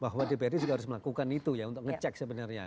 bahwa dprd juga harus melakukan itu ya untuk ngecek sebenarnya